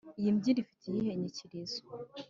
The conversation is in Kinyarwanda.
iyi mbyino ifite iyihe nyikirizo?